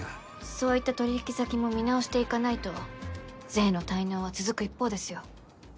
そういった取引先も見直していかないと税の滞納は続く一方ですよ。